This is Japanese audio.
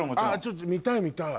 ちょっと見たい見たい！